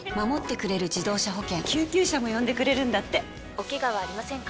・おケガはありませんか？